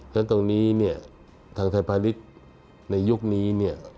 และตรงนี้ทางไทยพาณิชย์ในยุคนี้